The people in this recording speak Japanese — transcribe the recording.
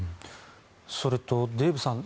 それとデーブさん